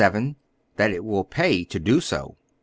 VII. That it will pay to do it.